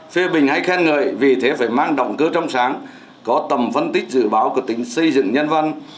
phê bình hay khen người vì thế phải mang động cơ trong sáng có tầm phân tích dự báo của tính xây dựng nhân văn